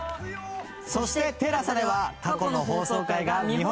そしてＴＥＬＡＳＡでは過去の放送回が見放題です。